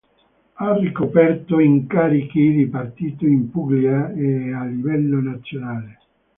Ha ricoperto incarichi di partito in Puglia e a livello nazionale.